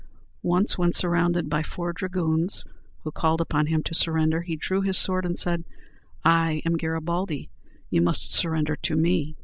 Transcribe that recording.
Once when surrounded by four dragoons, who called upon him to surrender, he drew his sword, and said, "I am Garibaldi; you must surrender to me."